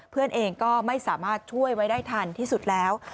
เพื่อนเองก็ไม่สามารถช่วยไว้ได้ทันที่สุดแล้ว